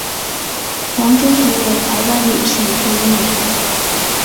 王中璇为台湾女性配音员。